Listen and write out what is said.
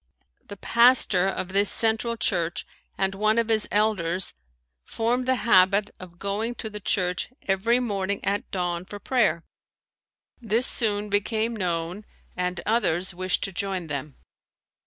The pastor of this Central church and one of his elders formed the habit of going to the church every morning at dawn for prayer. This soon became known and others wished to join them.